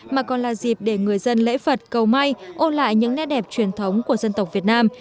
mà còn là dịp để người dân lễ phật cầu may ôn lại những nét đẹp truyền thống của dân tộc việt nam